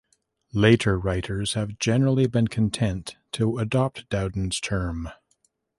Later writers have generally been content to adopt Dowden's term.